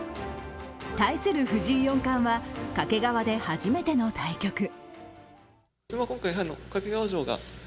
対する藤井四冠は掛川で初めての対局。